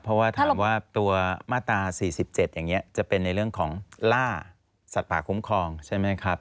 เพราะว่าถามว่าตัวมาตรา๔๗อย่างนี้จะเป็นในเรื่องของล่าสัตว์ป่าคุ้มครองใช่ไหมครับ